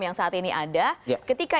yang saat ini ada ketika